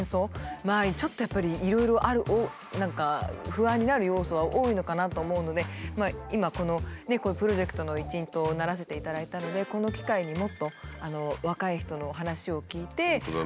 ちょっとやっぱりいろいろある何か不安になる要素は多いのかなと思うので今このプロジェクトの一員とならせていただいたのでこの機会にもっと若い人の話を聴いて理解を深めたいと思います。